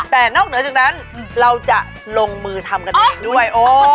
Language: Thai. แต่นอกเหนือจากนั้นเราจะลงมือทำกันเองด้วย